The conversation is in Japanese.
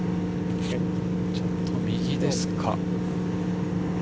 ちょっと右ですか。